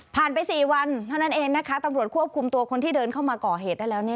ไป๔วันเท่านั้นเองนะคะตำรวจควบคุมตัวคนที่เดินเข้ามาก่อเหตุได้แล้ว